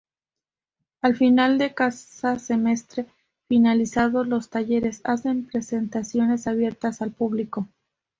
Al final de casa semestre, finalizados los talleres hacen presentaciones abiertas al público.